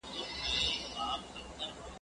من خورم، سېر گټم، اوسم، که درځم.